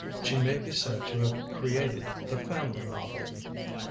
She may be said to have created the family novel.